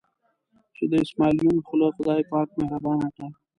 چې د اسمعیل یون خوله خدای پاک مهربانه کړه.